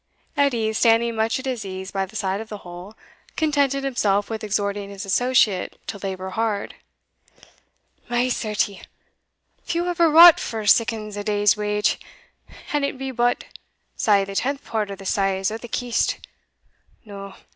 Edie, standing much at his ease by the side of the hole, contented himself with exhorting his associate to labour hard. "My certie! few ever wrought for siccan a day's wage; an it be but say the tenth part o' the size o' the kist, No.